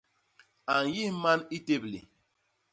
A nyis man i téblé.